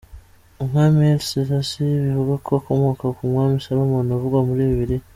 Umwami Haile Selassie bivugwa ko akomoka ku mwami Salomon uvugwa muri Bibiliya.